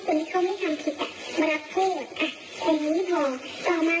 ต่อมาคือธรรมดินที่เส็จเหตุ